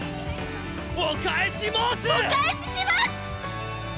お返しします！